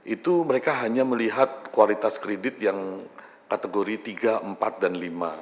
itu mereka hanya melihat kualitas kredit yang kategori tiga empat dan lima